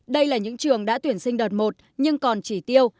đây là những trường đã tuyển sinh đợt một nhưng còn chỉ tiêu